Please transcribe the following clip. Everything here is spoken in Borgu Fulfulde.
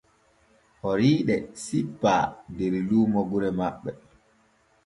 Horiiɗe sippaa der luumo gure maɓɓe.